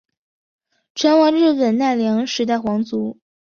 船王日本奈良时代皇族。